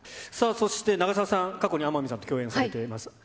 さあ、そして長澤さん、過去に天海さんと共演されています。